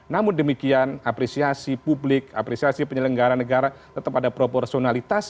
namun demikian apresiasi publik apresiasi penyelenggara negara tetap ada proporsionalitas